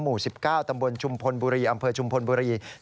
หมู่๑๙ตำบลชุมพลบุรีอำเภอชุมพลบุรี